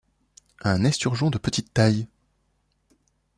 un esturgeon de petite taille !